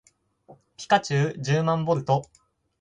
ピカチュウじゅうまんボルト